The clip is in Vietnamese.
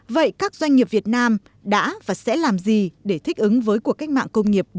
vậy các doanh nghiệp việt nam đã và sẽ làm gì để thích ứng với cuộc cách mạng công nghiệp bốn